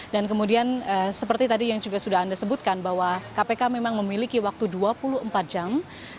dan kemudian seperti tadi yang juga sudah anda sebutkan bahwa kpk memang memiliki waktu dua puluh empat jam